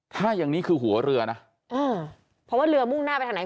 ถ้าอย่างนี้คือหัวเรือนะเพราะว่าเรือมุ่งหน้าไปทางไหน